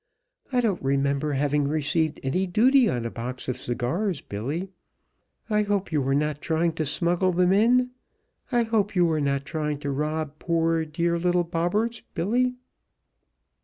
I don't remember having received any duty on a box of cigars, Billy. I hope you were not trying to smuggle them in. I hope you were not trying to rob poor, dear little Bobberts, Billy."